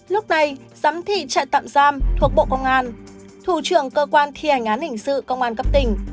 lúc này giám thị trại tạm giam thuộc bộ công an thủ trưởng cơ quan thi hành án hình sự công an cấp tỉnh